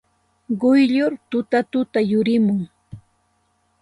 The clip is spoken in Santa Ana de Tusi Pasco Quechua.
Quyllur tutatuta yurimun.